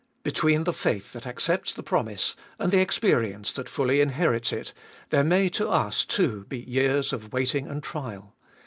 Between the faith that accepts the promise and the experience that fully inherits it, there may to us, too, be years of waiting and trial.